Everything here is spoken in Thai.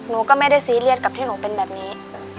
หนูก็ไม่ได้ซีเรียสกับที่หนูเป็นแบบนี้